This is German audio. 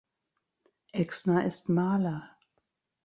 Exner ist Maler.